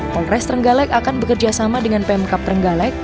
polres terenggalek akan bekerjasama dengan pmk terenggalek